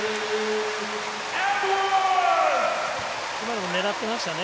今のも狙ってましたね